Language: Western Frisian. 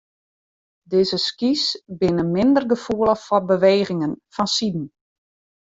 Dizze skys binne minder gefoelich foar bewegingen fansiden.